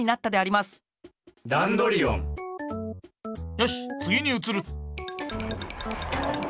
よしつぎにうつる！